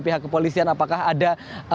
pihak kepolisian apakah ada